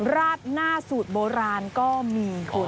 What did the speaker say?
ราดหน้าสูตรโบราณก็มีคุณ